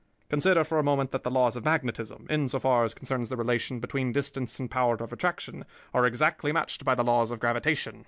"Consider for a moment that the laws of magnetism, insofar as concerns the relation between distance and power of attraction, are exactly matched by the laws of gravitation."